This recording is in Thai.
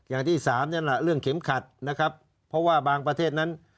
อย่างที่สามนี่แหละเรื่องเข็มขัดนะครับเพราะว่าบางประเทศนั้น